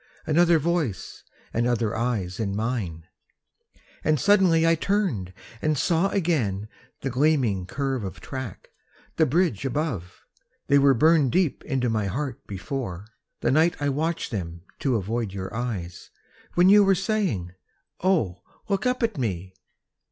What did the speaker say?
Another voice and other eyes in mine! And suddenly I turned and saw again The gleaming curve of tracks, the bridge above They were burned deep into my heart before, The night I watched them to avoid your eyes, When you were saying, "Oh, look up at me!"